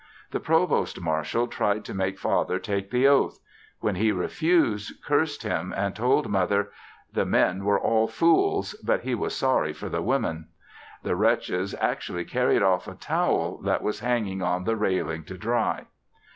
The Provost Marshal tried to make Father take the oath; when he refused cursed him, and told Mother; "the men were all fools," but he "was sorry for the woman." The wretches actually carried off a towel that was hanging on the railing to dry.